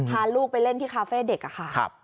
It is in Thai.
พาลูกไปเล่นที่คาเฟ่เด็กค่ะ